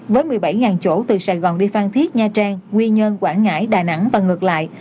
với một mươi bảy chỗ từ sài gòn đi phan thiết nha trang nguyên nhơn quảng ngãi đà nẵng và ngược lại